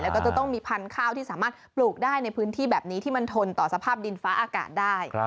แล้วก็จะต้องมีพันธุ์ข้าวที่สามารถปลูกได้ในพื้นที่แบบนี้ที่มันทนต่อสภาพดินฟ้าอากาศได้